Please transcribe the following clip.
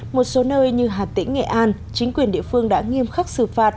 một số nơi như hà tĩnh nghệ an chính quyền địa phương đã nghiêm khắc xử phạt